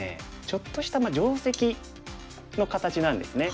ちょっとした定石の形なんですね。